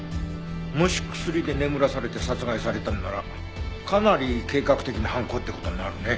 もし薬で眠らされて殺害されたのならかなり計画的な犯行って事になるね。